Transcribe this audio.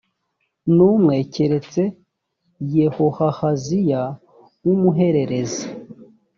n umwe keretse yehohahaziya w umuhererezi